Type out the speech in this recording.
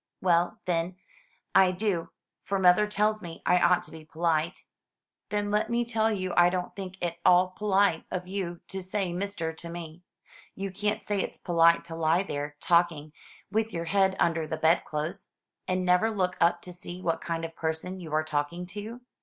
"Well, then, I do; for mother tells me I ought to be polite." "Then let me tell you I don't think it at all polite of you to say Mister to me. You can't say it's polite to lie there talk ing — with your head under the bedclothes, and never look up to see what kind of person you are talking to.